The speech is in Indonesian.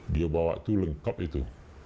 dia bawa itu lengkap itu